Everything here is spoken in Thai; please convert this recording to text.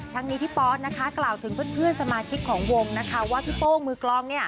ทั้งนี้พี่ปอสนะคะกล่าวถึงเพื่อนสมาชิกของวงนะคะว่าพี่โป้งมือกลอง